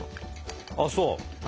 ああそう？